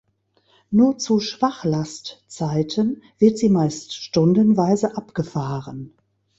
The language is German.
Nur zu Schwachlastzeiten wird sie meist stundenweise abgefahren.